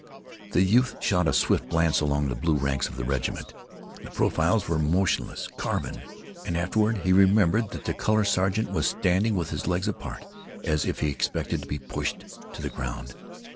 The youth shot a swift glance along the blue ranks of the regiment. The profiles were motionless, carven; and afterward he remembered that the color sergeant was standing with his legs apart, as if he expected to be pushed to the ground.